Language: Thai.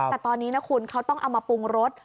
แต่ตอนนี้นะคุณเขาต้องเอามาปรุงรส